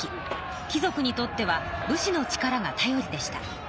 貴族にとっては武士の力がたよりでした。